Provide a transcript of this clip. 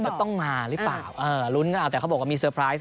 จะต้องมาหรือเปล่าเออลุ้นเอาแต่เขาบอกว่ามีเซอร์ไพรส์